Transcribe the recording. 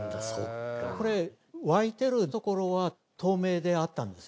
これ湧いてるところは透明であったんですよ。